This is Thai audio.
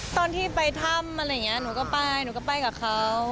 ตอนที่ไปถ้ำอะไรอย่างนี้หนูก็ไปหนูก็ไปกับเขา